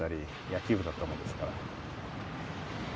野球部だったものですから。